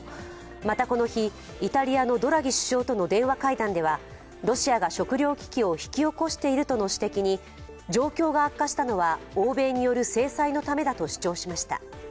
また、この日、イタリアのドラギ首相との電話会談ではロシアが食糧危機を引き起こしているとの指摘に状況が悪化したのは欧米による制裁のためだと主張しました。